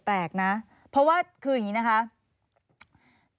แปลกนะเพราะงี้น่าครับ